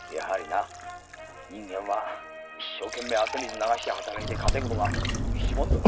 人間は一生懸命汗水流して働いて稼ぐのが一番だ。